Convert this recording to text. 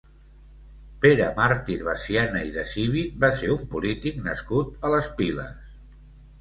Pere Màrtir Veciana i de Civit va ser un polític nascut a les Piles.